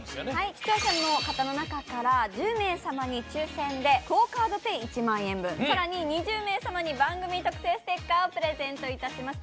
視聴者の方の中から１０名様に抽選でＱＵＯカードＰａｙ１万円分さらに２０名様に番組特製ステッカーをプレゼントいたします